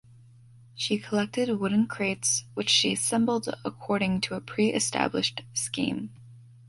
She collected wooden crates, which she assembled according to a pre-established scheme.